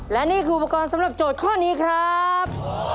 และนี่คืออุปกรณ์สำหรับโจทย์ข้อนี้ครับ